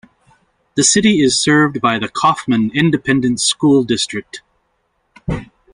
The city is served by the Kaufman Independent School District.